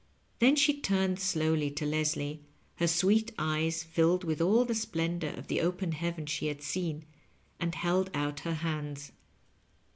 Then she turned slowly to Leslie, her sweet eyes filled with all the splendor of the open heaven she had seen, and held out her hands.